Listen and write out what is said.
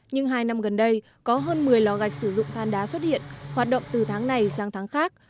nhưng hai năm gần đây có hơn một mươi lò gạch sử dụng than đá xuất hiện hoạt động từ tháng này sang tháng khác